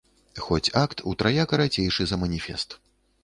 Хоць акт утрая карацейшы за маніфест.